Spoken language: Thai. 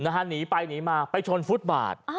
หนีไปหนีมาไปชนฟุตบาท